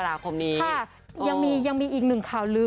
ยังมีแบบยังมีอีกหนึ่งข่าวลือ